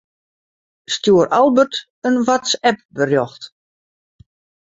Stjoer Albert in WhatsApp-berjocht.